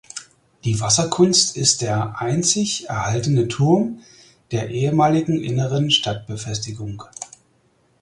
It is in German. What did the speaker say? Die "Wasserkunst" ist der einzig erhaltene Turm der ehemaligen inneren Stadtbefestigung.